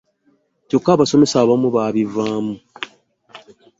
Kyokka abasomesa abamu babivaamu.